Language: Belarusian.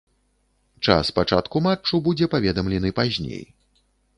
Час пачатку матчу будзе паведамлены пазней.